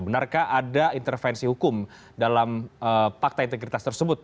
benarkah ada intervensi hukum dalam fakta integritas tersebut